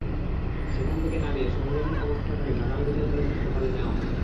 সেখান থেকে নামিয়ে সংজ্ঞাহীন অবস্থায় তাঁকে ঢাকা মেডিকেল কলেজ হাসপাতালে নেওয়া হয়।